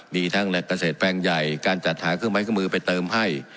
มีทั้งแหล่งเกษตรแปลงใหญ่การจัดหาเครื่องไม้เครื่องมือไปเติมให้